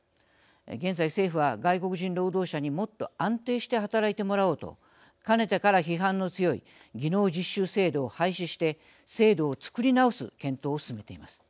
現在、政府は、外国人労働者にもっと安定して働いてもらおうとかねてから批判の強い技能実習制度を廃止して制度を作り直す検討を進めています。